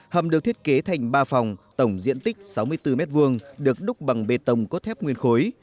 hầm được thiết kế thành ba phòng tổng diện tích sáu mươi bốn m hai được đúc bằng bê tông cốt thép nguyên khối